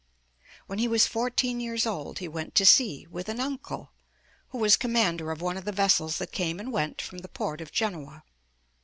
When he was fourteen years old he went to sea with an uncle, who was commander of one of the vessels that came and went from the port of Genoa.